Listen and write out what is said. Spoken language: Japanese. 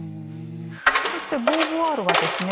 そしてボーヴォワールはですね